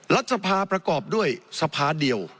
รัฐสภาประกอบด้วยสภาเดียว